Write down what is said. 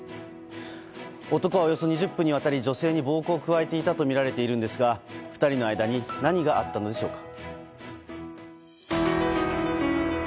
男はおよそ２０分にわたり女性に暴行を加えていたとみられているんですが２人の間に何があったのでしょうか。